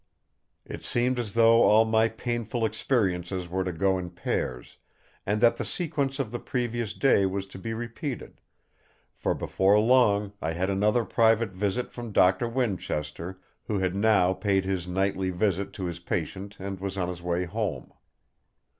It seemed as though all my painful experiences were to go in pairs, and that the sequence of the previous day was to be repeated; for before long I had another private visit from Doctor Winchester who had now paid his nightly visit to his patient and was on his way home.